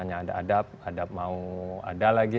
ada adab adab mau ada lagi